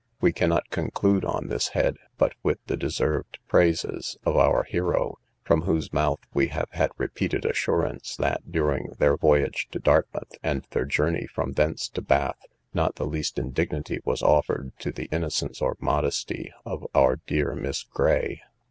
We cannot conclude on this head, but with the deserved praises of our hero, from whose mouth we have had repeated assurance, that, during their voyage to Dartmouth, and their journey from thence to Bath, not the least indignity was offered to the innocence or modesty of his dear Miss Gray.